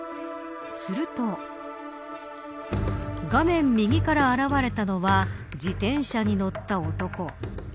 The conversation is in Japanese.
すると画面右から現れたのは自転車に乗った男。